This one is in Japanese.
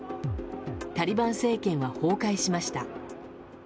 タリバン政権は崩壊しました。